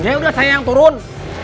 ya udah saya yang turun